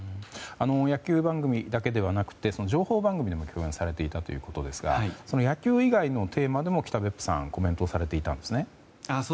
野球番組だけではなくて情報番組で共演されていたということですが野球以外のテーマでも北別府さんコメントをされていたんですね。